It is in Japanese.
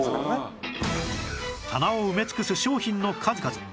棚を埋め尽くす商品の数々